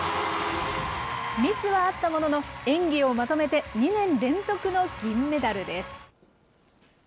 ミスはあったものの、演技をまとめて２年連続の銀メダルです。